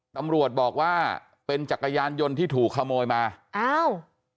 ตำรวจบอกว่าเป็นจักรยานยนต์ที่ถูกขโมยมาอ้าว